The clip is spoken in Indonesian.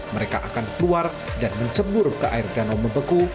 mereka akan keluar dan mencebur ke air danau membeku